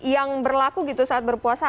yang berlaku gitu saat berpuasa